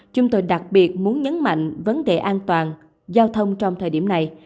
chúng tôi đặc biệt muốn nhấn mạnh vấn đề an toàn giao thông trong thời điểm này